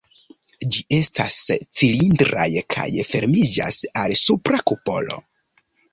Ĝi estas cilindraj kaj fermiĝas al supra kupolo.